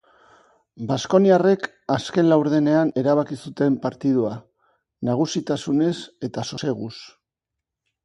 Baskoniarrek azken laurdenean erabaki zuten partida, nagusitasunez eta soseguz.